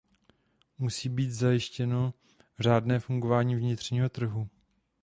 Musí být zajištěno řádné fungování vnitřního trhu.